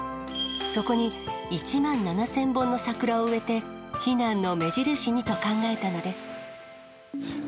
そこに１万７０００本の桜を植えて、避難の目印にと考えたのです。